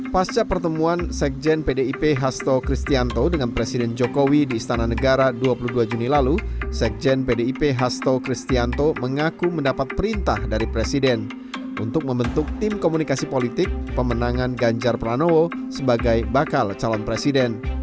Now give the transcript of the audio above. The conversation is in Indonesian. pasca pertemuan sekjen pdip hasto kristianto dengan presiden jokowi di istana negara dua puluh dua juni lalu sekjen pdip hasto kristianto mengaku mendapat perintah dari presiden untuk membentuk tim komunikasi politik pemenangan ganjar pranowo sebagai bakal calon presiden